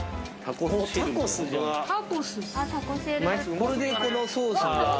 これでこのソース。